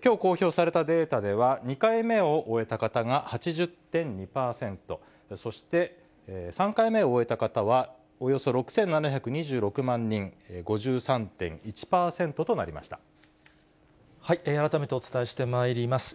きょう公表されたデータでは、２回目を終えた方が８０．２％、そして３回目を終えた方はおよそ６７２６万人、改めてお伝えしてまいります。